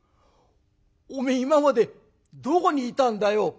おめえ今までどこにいたんだよ？」。